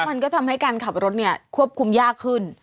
เพราะรถเนี่ยควบคุมยากขึ้น